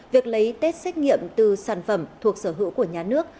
việc lấy test xét nghiệm từ sản phẩm thuộc sở hữu của nhà nước